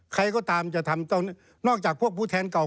ใครก็ตามจะทำนอกจากพวกผู้แทนเก่า